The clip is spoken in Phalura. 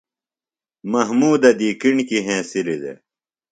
محمودہ دی کݨکیۡ ہنسِلی دےۡ۔